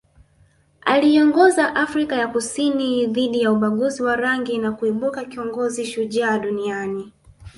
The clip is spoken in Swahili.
Aliiongoza Afrika ya Kusini dhidi ya ubaguzi wa rangi na kuibuka kiongozi shujaa duniani